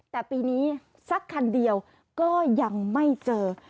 แต่ปีนี้สักคันเดียวก็ยังไม่เจอ